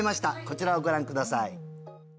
こちらをご覧ください